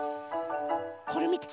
これみて。